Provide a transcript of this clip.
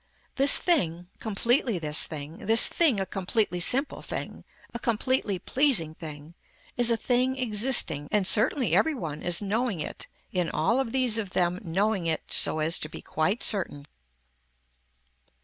This thing, completely this thing, this thing a completely simple thing, a completely pleasing thing is a thing existing and certainly every one is knowing it in all of these of them knowing it so as to be quite certain.